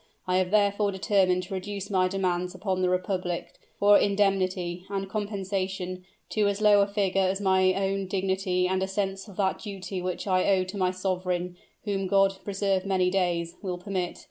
I have therefore determined to reduce my demands upon the republic, for indemnity and compensation, to as low a figure as my own dignity and a sense of that duty which I owe to my sovereign (whom God preserve many days!) will permit.